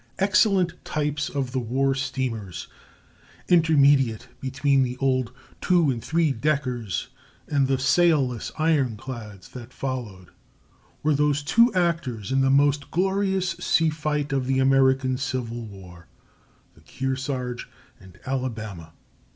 ] Excellent types of the war steamers, intermediate between the old two and three deckers and the sailless "ironclads" that followed, were those two actors in that most glorious sea fight of the American Civil War—the Kearsarge and Alabama.